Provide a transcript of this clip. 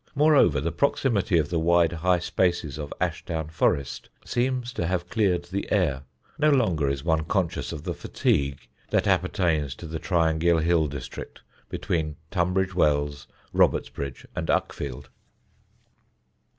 Moreover, the proximity of the wide high spaces of Ashdown Forest seems to have cleared the air; no longer is one conscious of the fatigue that appertains to the triangular hill district between Tunbridge Wells, Robertsbridge and Uckfield.